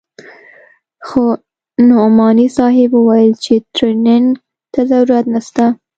خو نعماني صاحب وويل چې ټرېننگ ته ضرورت نسته.